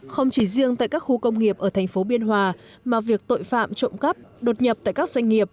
không chỉ riêng tại các khu công nghiệp ở thành phố biên hòa mà việc tội phạm trộm cắp đột nhập tại các doanh nghiệp